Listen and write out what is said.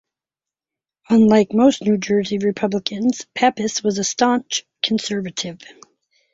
Unlike most New Jersey Republicans, Pappas was a staunch conservative.